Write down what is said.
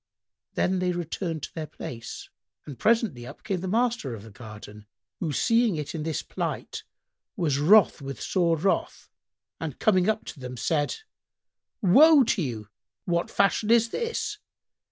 Then they returned to their place and presently up came the master of the garden, who, seeing it in this plight, was wroth with sore wrath and coming up to them said, "Woe to you! What fashion is this?